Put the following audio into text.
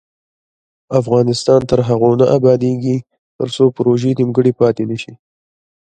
افغانستان تر هغو نه ابادیږي، ترڅو پروژې نیمګړې پاتې نشي.